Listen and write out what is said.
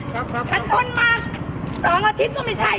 ฉันทนมาสองาทีก็ไม่ใช่